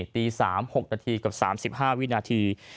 ตี๓๖นาทีกับ๓๕วินาที